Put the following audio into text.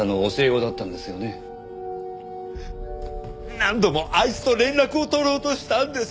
何度もあいつと連絡を取ろうとしたんです。